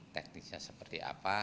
tekniknya seperti apa